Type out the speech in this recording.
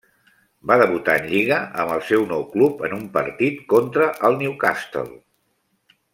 Va debutar en lliga amb el seu nou club en un partit contra el Newcastle.